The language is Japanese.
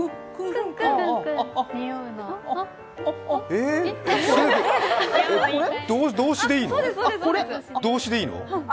えっ、動詞でいいの？